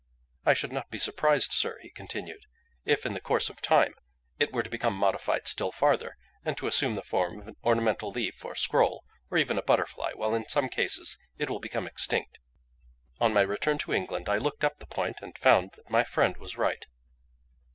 I should not be surprised, sir," he continued, "if, in the course of time, it were to become modified still farther, and to assume the form of an ornamental leaf or scroll, or even a butterfly, while, in some cases, it will become extinct." On my return to England, I looked up the point, and found that my friend was right.